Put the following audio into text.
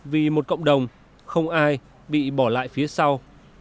vì một cộng đồng không ai bị bỏ lại phía sau